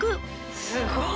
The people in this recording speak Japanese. すごい！